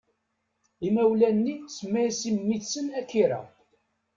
Imawlan-nni semma-as i mmi-tsen Akira.